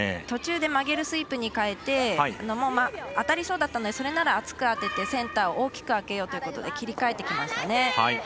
途中で曲げるスイープに変えてもう、当たりそうだったのでそれなら厚く当ててセンターを大きく開けようということで切り替えてきましたね。